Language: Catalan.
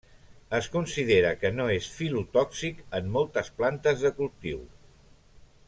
Es considera que no és fitotòxic en moltes plantes de cultiu.